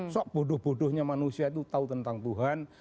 sok bodoh bodohnya manusia itu tahu tentang tuhan